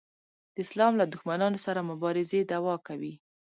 د اسلام له دښمنانو سره مبارزې دعوا کوي.